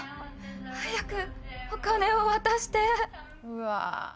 早くお金を渡して。